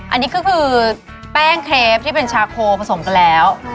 อันนี้ก็คือแป้งเครปที่เป็นชาโคผสมกันแล้ว